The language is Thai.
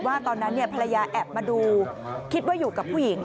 ตอนนั้นภรรยาแอบมาดูคิดว่าอยู่กับผู้หญิง